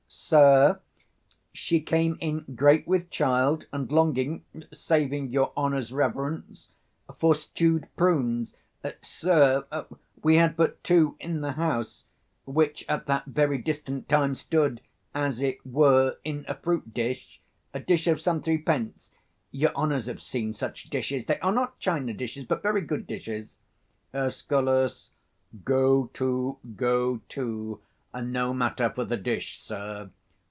_ Sir, she came in great with child; and longing, saving your honour's reverence, for stewed prunes; sir, we had but two in the house, which at that very distant time stood, as it were, in a fruit dish, a dish of some three pence; your honours have seen such dishes; they are not China 90 dishes, but very good dishes, Escal. Go to, go to: no matter for the dish, sir.